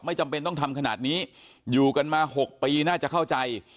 จำเป็นต้องทำขนาดนี้อยู่กันมา๖ปีน่าจะเข้าใจ